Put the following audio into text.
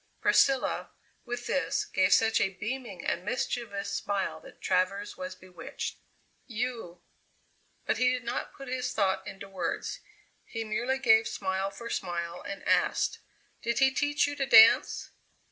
Priscilla, with this, gave such a beaming and mischievous smile that Travers was bewitched. "You " But he did not put his thought into words; he merely gave smile for smile, and asked: "Did he teach you to dance?"